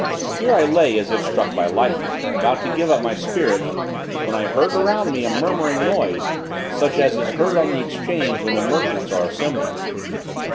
Here I lay as if struck by lightning, about to give up my spirit, when I heard around me a murmuring noise, such as is heard on the Exchange when the merchants are assembled.